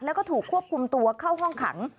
แล้วก็ถูกควบคุมตัวเข้าห้องขัง